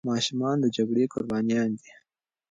ماشومان د جګړې قربانيان دي.